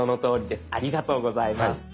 ありがとうございます。